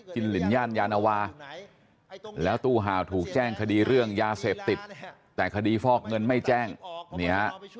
ลินย่านยานวาแล้วตู้ห่าวถูกแจ้งคดีเรื่องยาเสพติดแต่คดีฟอกเงินไม่แจ้งเนี่ย